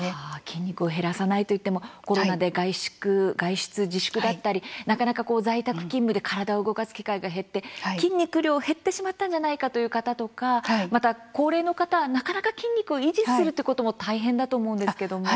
筋肉を減らさないといってもコロナで外出自粛だったりなかなか在宅勤務で体を動かす機会が減って筋肉量、減ってしまったんじゃないかという方とかまた高齢の方、なかなか筋肉を維持するということも大変だと思うんですけども。